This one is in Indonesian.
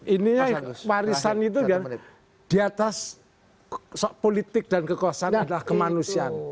ini warisan itu kan di atas politik dan kekuasaan adalah kemanusiaan